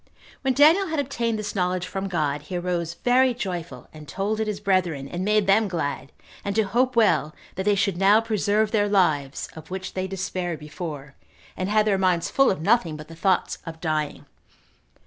When Daniel had obtained this knowledge from God, he arose very joyful, and told it his brethren, and made them glad, and to hope well that they should now preserve their lives, of which they despaired before, and had their minds full of nothing but the thoughts of dying.